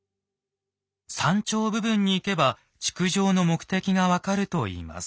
山頂部分に行けば築城の目的が分かるといいます。